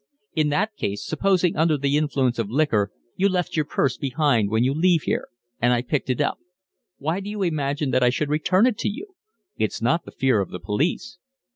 "In that case, supposing under the influence of liquor you left your purse behind when you leave here and I picked it up, why do you imagine that I should return it to you? It's not the fear of the police."